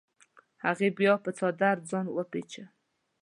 هغې بیا په څادر ځان وپیچوه.